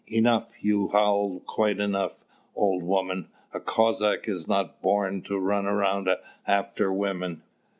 "Enough, you've howled quite enough, old woman! A Cossack is not born to run around after women.